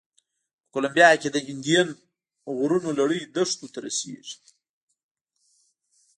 په کولمبیا کې د اندین غرونو لړۍ دښتو ته رسېږي.